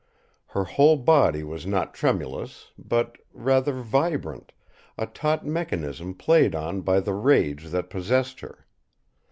Her whole body was not tremulous, but, rather, vibrant, a taut mechanism played on by the rage that possessed her.